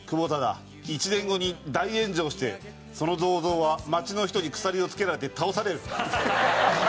１年後に大炎上してその銅像は街の人に鎖を付けられて倒される。